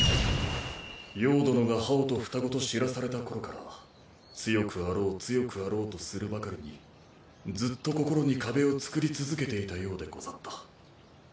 葉殿が葉王と双子と知らされた頃から強くあろう強くあろうとするばかりにずっと心に壁を作り続けていたようでござった。